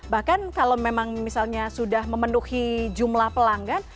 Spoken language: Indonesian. bahkan kalau memang misalnya sudah memenuhi jumlah pelanggan